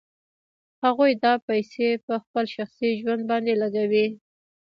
هغوی دا پیسې په خپل شخصي ژوند باندې لګوي